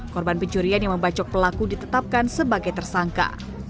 korban pencurian yang membacok pelaku ditetapkan sebagai tersangka